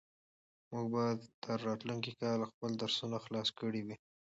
موږ به تر راتلونکي کاله خپل درسونه خلاص کړي وي.